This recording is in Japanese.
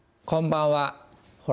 こんばんは。